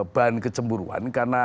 bahan kecemburuan karena